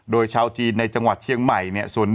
โดยชาวจีนในจังหวัดเชียงใหม่เนี่ย